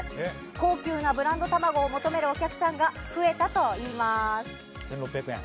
高級なブランドたまごを求めるお客さんが増えたといいます。